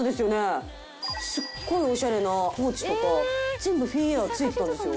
すっごいおしゃれなポーチとか全部フィンエアー付いてたんですよ。